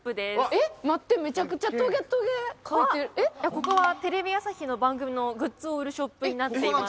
ここはテレビ朝日の番組のグッズを売るショップになっています。